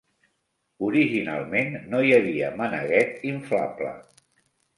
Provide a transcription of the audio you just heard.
Originalment, no hi havia maneguet inflable.